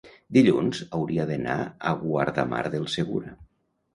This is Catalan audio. Dilluns hauria d'anar a Guardamar del Segura.